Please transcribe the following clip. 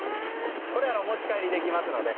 これ、お持ち帰りできますので。